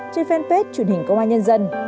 trên fanpage truyền hình công an nhân dân